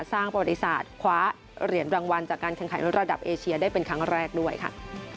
สร้างประวัติศาสตร์คว้าเหรียญรางวัลจากการแข่งขันระดับเอเชียได้เป็นครั้งแรกด้วยค่ะ